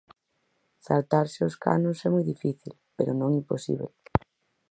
Saltarse os canons é moi difícil, pero non imposíbel.